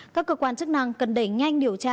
các cơ quan chức năng cần đẩy nhanh điều tra